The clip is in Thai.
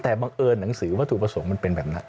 แต่บังเอิญหนังสือวัตถุประสงค์มันเป็นแบบนั้น